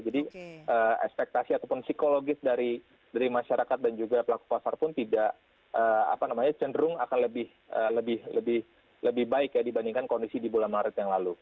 jadi ekspektasi ataupun psikologis dari masyarakat dan juga pelaku pasar pun tidak apa namanya cenderung akan lebih baik ya dibandingkan kondisi di bulan maret yang lalu